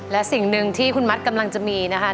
และสิ่งหนึ่งที่คุณมัดกำลังจะมีนะคะ